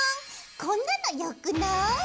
こんなのよくない？